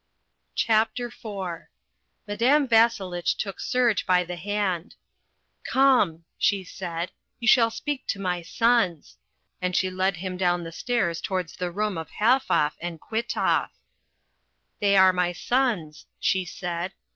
CHAPTER IV Madame Vasselitch took Serge by the hand. "Come," she said, "you shall speak to my sons," and she led him down the stairs towards the room of Halfoff and Kwitoff. "They are my sons," she said.